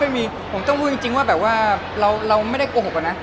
ไม่มีผมต้องพูดจริงว่าแบบว่าเราไม่ได้โกหกอะนะ